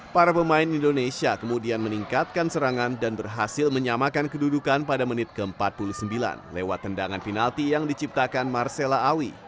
para pemain indonesia kemudian meningkatkan serangan dan berhasil menyamakan kedudukan pada menit ke empat puluh sembilan lewat tendangan penalti yang diciptakan marcella awi